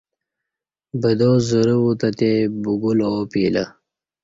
بدازرہ ووتہ تے بگول آو پیلہ